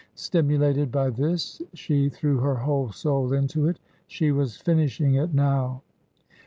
Stimulated by this, she threw her whole soul into it. She was finishing it now.